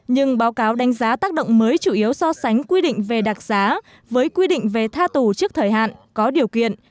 nhưng báo cáo đánh giá tác động mới chủ yếu so sánh quy định về đặc giá với quy định về tha tù trước thời hạn có điều kiện